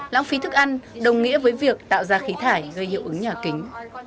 lãng phí thức ăn đồng nghĩa với việc tạo ra khí thải gây hiệu ứng nhà kính